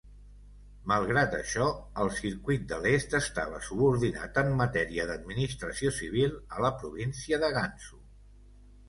Malgrat això, el Circuit de l'est estava subordinat en matèria d'administració civil a la província de Gansu.